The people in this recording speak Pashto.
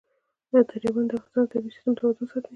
دریابونه د افغانستان د طبعي سیسټم توازن ساتي.